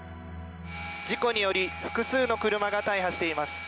事故により複数の車が大破しています。